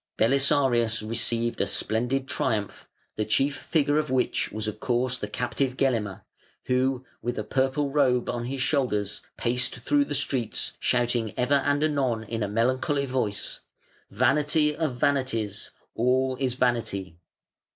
Belisarius received a splendid triumph, the chief figure of which was of course the captive Gelimer, who, with a purple robe on his shoulders, paced through the streets, shouting ever and anon in a melancholy voice, "Vanity of vanities, all is vanity".